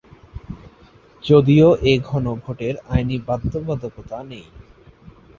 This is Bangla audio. যদিও এই গণভোটের আইনি বাধ্যবাধকতা নেই।